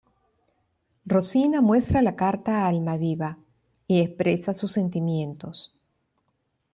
Rosina muestra la carta a Almaviva y expresa sus sentimientos.